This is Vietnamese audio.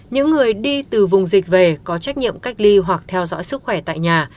những người đi từ vùng dịch về có trách nhiệm cách ly hoặc theo dõi sức khỏe tại nhà